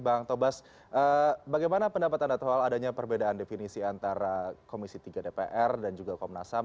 bang tobas bagaimana pendapat anda soal adanya perbedaan definisi antara komisi tiga dpr dan juga komnas ham